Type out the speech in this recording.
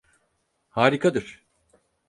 Harikadır.